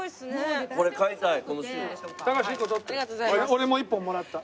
俺も１本もらった。